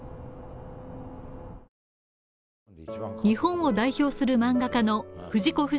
日本を代表する漫画家の藤子